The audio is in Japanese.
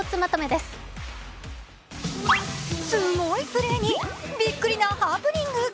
すごいプレーにびっくりなハプニング。